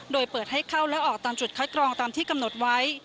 โดยเปิดให้เข้าและออกตามจุดคัดกรองตามที่กำหนดไว้